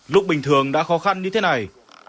lúc bình thường đã khó khăn như thế nào